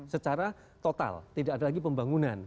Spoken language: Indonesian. secara total tidak ada lagi pembangunan